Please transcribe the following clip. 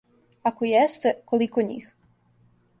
Ако јесте, колико њих?